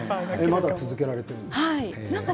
まだ続けられているんですか？